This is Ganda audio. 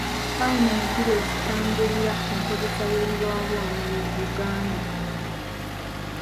Mpaayo ennono bbiri ezitambulira ku nkozesa y’ebibowabowa mu Buganda.